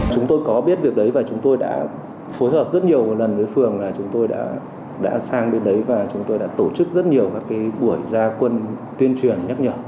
chúng tôi có biết việc đấy và chúng tôi đã phối hợp rất nhiều lần với phường là chúng tôi đã sang bên đấy và chúng tôi đã tổ chức rất nhiều các buổi gia quân tuyên truyền nhắc nhở